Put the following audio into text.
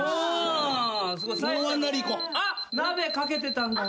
・あっ鍋かけてたんだ。